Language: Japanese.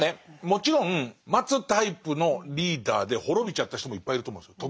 もちろん待つタイプのリーダーで滅びちゃった人もいっぱいいると思うんですよ。